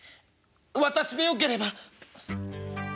私でよければ」。